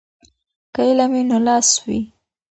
که علم وي نو لاس وي.